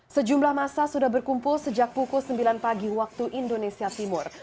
sejumlah masa sudah berkumpul sejak pukul sembilan pagi waktu indonesia timur